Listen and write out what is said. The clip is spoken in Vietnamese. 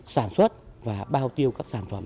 sản xuất và bao tiêu các sản phẩm